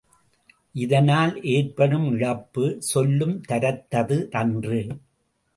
இதனால் ஏற்படும் இழப்பு சொல்லுந் தரத்த தன்று.